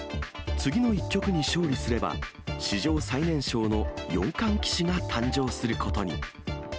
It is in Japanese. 次の１局に勝利すれば、史上最年少の四冠棋士が誕生することに。